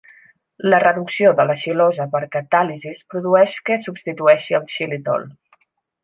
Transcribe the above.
La reducció de la xilosa per catàlisi produeix que substitueixi el xilitol.